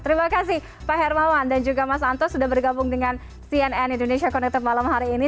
terima kasih pak hermawan dan juga mas anto sudah bergabung dengan cnn indonesia connected malam hari ini